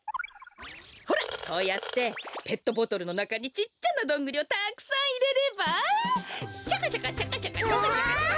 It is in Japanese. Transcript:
ほらこうやってペットボトルのなかにちっちゃなどんぐりをたくさんいれれば「シャカシャカシャカシャカ」うわ！